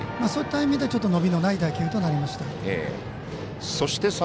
そういった意味で伸びのない打球となりました。